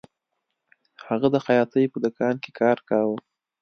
هغه د خیاطۍ په دکان کې کار کاوه